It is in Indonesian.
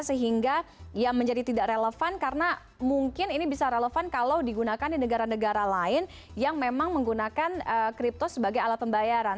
sehingga ya menjadi tidak relevan karena mungkin ini bisa relevan kalau digunakan di negara negara lain yang memang menggunakan kripto sebagai alat pembayaran